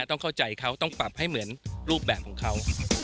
ต้องเข้าใจเขาต้องปรับให้เหมือนรูปแบบของเขา